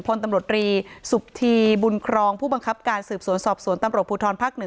พลตำรวจรีสุธีบุญครองผู้บังคับการสืบสวนสอบสวนตำรวจภูทรภาค๑